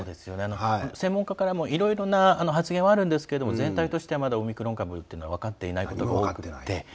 専門家からもいろいろな発言はあるんですけれども全体としてはまだオミクロン株は分かってないことが多くて。